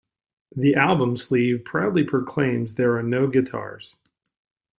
The album sleeve proudly proclaims There are no guitars.